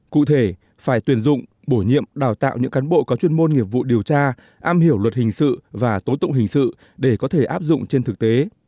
cụ thể phải tuyển dụng bổ nhiệm đào tạo những cán bộ có chuyên môn nghiệp vụ điều tra am hiểu luật hình sự và tố tụng hình sự để có thể áp dụng trên thực tế